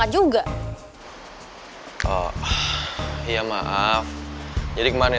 tim super mungkin mangga